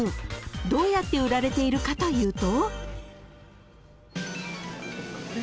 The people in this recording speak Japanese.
［どうやって売られているかというと］